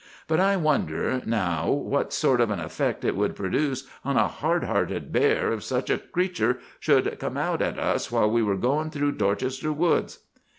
But I wonder, now, what sort of an effect it would produce on a hard hearted bear if such a creature should come out at us while we are going through Dorchester woods?